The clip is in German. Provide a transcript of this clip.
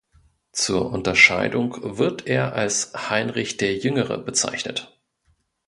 Zur Unterscheidung wird er als Heinrich der Jüngere bezeichnet.